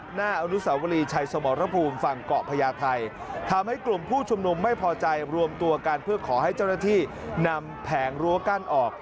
หน้าอนุสาวรีชัยสมรภูมิฝั่งเกาะพญาไทยทำให้กลุ่มผู้ชุมนุมไม่พอใจรวมตัวกันเพื่อขอให้เจ้าหน้าที่นำแผงรั้วกั้นออก